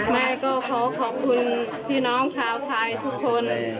แม่ก็ขอขอบคุณพี่น้องชาวไทยทุกคน